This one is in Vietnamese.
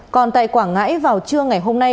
còn tại quảng ngãi vào trưa ngày hôm nay